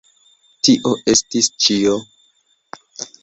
Tio estis ĉio.